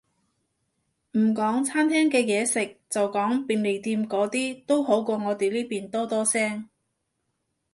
唔講餐廳嘅嘢食，就講便利店嗰啲，都好過我哋呢邊多多聲